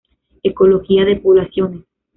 Ecología de poblaciones.